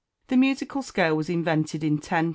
[THE MUSICAL SCALE WAS INVENTED IN 1022.